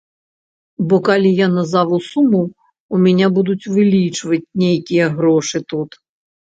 Бо калі я назаву суму, у мяне будуць вылічваць нейкія грошы тут.